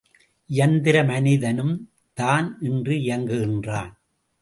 இயந்திர மனிதனும்தான் இன்று இயங்குகின்றான்.